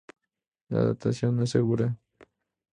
La datación no es segura.